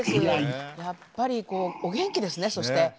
やっぱりお元気ですねそして。